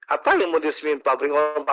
apa yang mau diresmikan pabrik